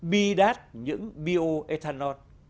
bi đát những bioethanol